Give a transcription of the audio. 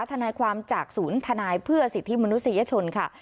ทนายความจากศูนย์ทนายเพื่อสิทธิมนุษยชนค่ะ